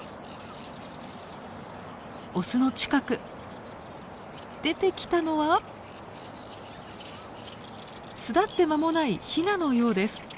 オスの近く出てきたのは巣立って間もないヒナのようです。